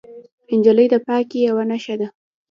نجلۍ د پاکۍ یوه نښه ده.